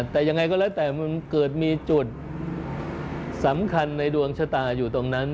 แต่ยังไงก็แล้วแต่มันเกิดมีจุดสำคัญในดวงชะตาอยู่ตรงนั้น